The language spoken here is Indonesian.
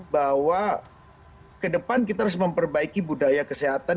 bahwa ke depan kita harus memperbaiki budaya kesehatan